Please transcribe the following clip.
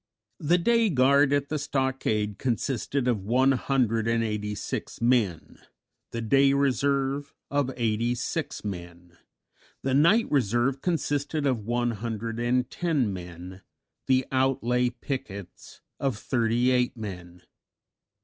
The day guard at the stockade consisted of one hundred and eighty six men; the day reserve of eighty six men. The night reserve consisted of one hundred and ten men; the outlay pickets of thirty eight men.